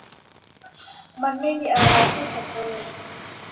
มันไม่มีอะไรให้ฉันเลย